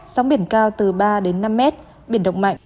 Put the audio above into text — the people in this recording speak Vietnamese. sóng biển cao từ ba đến năm mét biển động mạnh